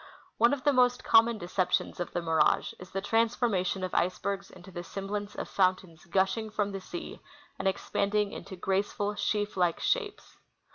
One of the most common deceptions of the mirage is the transformation of icebergs into the semblance of fountains gush ing from the sea and expanding into graceful, sheaf like shapes.